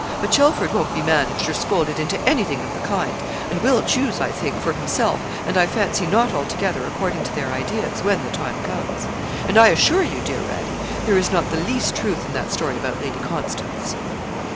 But Chelford won't be managed or scolded into anything of the kind; and will choose, I think, for himself, and I fancy not altogether according to their ideas, when the time comes. And I assure you, dear Radie, there is not the least truth in that story about Lady Constance.'